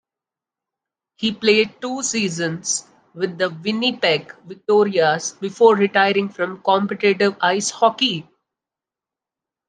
He played two seasons with the Winnipeg Victorias before retiring from competitive ice hockey.